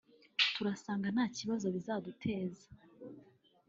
turasanga nta kibazo bizaduteza